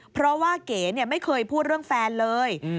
เพราะว่าเก๋ไม่เคยพูดเรื่องแฟนเลย